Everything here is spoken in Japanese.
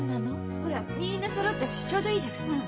ほらみんなそろったしちょうどいいじゃない。